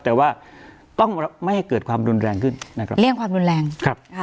แต่ว่าต้องไม่ให้เกิดความรุนแรงขึ้นนะครับ